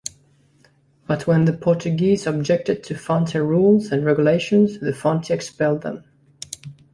But when the Portuguese objected to Fante rules and regulations, the Fante expelled them.